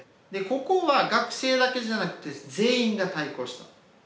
ここは学生だけじゃなくて全員が対抗した。